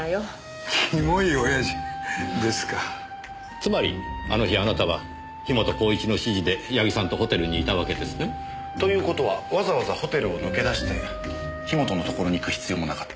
つまりあの日あなたは樋本晃一の指示で矢木さんとホテルにいたわけですね？という事はわざわざホテルを抜け出して樋本のところに行く必要もなかった。